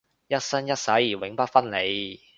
一生一世永不分離